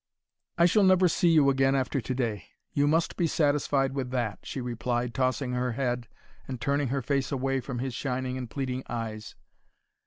"I shall never see you again after to day. You must be satisfied with that," she replied, tossing her head and turning her face away from his shining and pleading eyes.